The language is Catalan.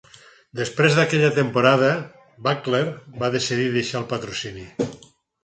Després d'aquella temporada, Buckler va decidir deixar el patrocini.